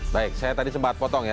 baik saya tadi sempat potong ya